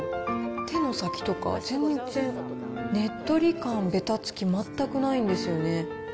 手の先とか、全然ねっとり感、べたつき全くないんですよね。